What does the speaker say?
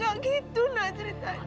gak gitu nak ceritanya